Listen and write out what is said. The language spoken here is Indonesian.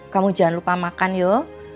kamu jangan lupa makan yuk